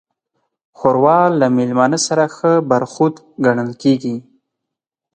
ښوروا له میلمانه سره ښه برخورد ګڼل کېږي.